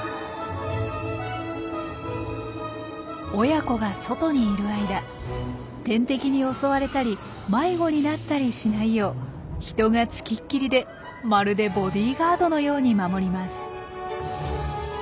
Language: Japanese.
親子が外にいる間天敵に襲われたり迷子になったりしないよう人が付きっきりでまるでボディーガードのように守ります。